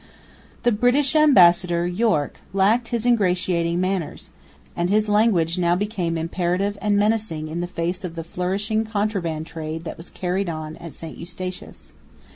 The British ambassador, Yorke, lacked his ingratiating manners; and his language now became imperative and menacing in face of the flourishing contraband trade that was carried on at St Eustatius.